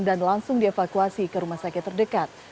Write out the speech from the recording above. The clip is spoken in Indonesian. dan langsung dievakuasi ke rumah sakit terdekat